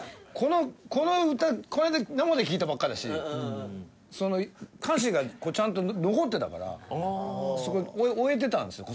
この歌この間生で聴いたばっかだし歌詞がちゃんと残ってたから追えてたんですよ